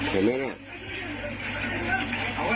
เห็นมั้ยเนี่ย